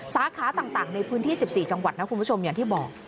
สาขาต่างในพื้นที่๑๔จังหวัดนะคุณผู้ชมอย่างที่บอก